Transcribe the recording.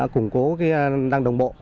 củng cố đăng đồng bộ